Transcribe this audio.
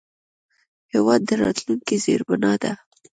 هېواد د راتلونکي زیربنا ده.